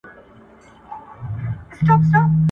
د ځوان نسل فکرونه د کار د دود بدلوي.